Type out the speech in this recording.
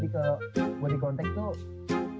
kalau di contact tuh